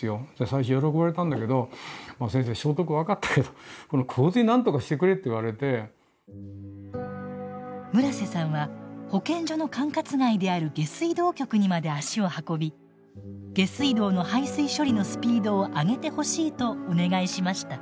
最初喜ばれたんだけど消毒分かったけど村瀬さんは保健所の管轄外である下水道局にまで足を運び下水道の排水処理のスピードを上げてほしいとお願いしました。